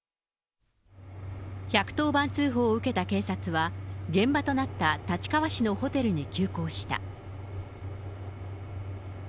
１１０番通報を受けた警察は、現場となった立川市のホテルに急行した。